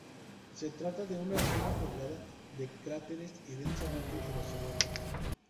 Se trata de una zona poblada de cráteres y densamente erosionada.